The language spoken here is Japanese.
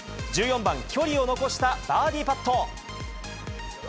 １４番、距離を残したバーディーパット。